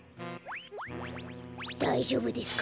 だいじょうぶですか？